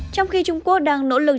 trong khi trung quốc đang nỗ lực